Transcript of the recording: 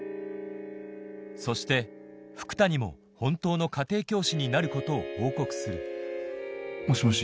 そして福多にも本当の家庭教師になることを報告するもしもし。